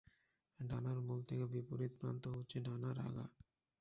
ডানার মূল থেকে বিপরীত প্রান্ত হচ্ছে ডানার আগা।